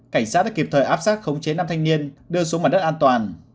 cảnh sát đã kịp thời áp sát khống chế nam thanh niên đưa xuống mặt đất an toàn